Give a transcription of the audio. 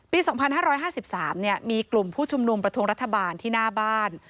ปี๒๕๕๓มีกลุ่มผู้ชุมนุมประท้วงรัฐบาลที่หน้าบ้าน